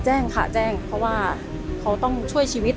แจ้งค่ะแจ้งเพราะว่าเขาต้องช่วยชีวิต